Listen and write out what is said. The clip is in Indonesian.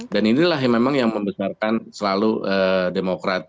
dan inilah yang memang membesarkan selalu demokrat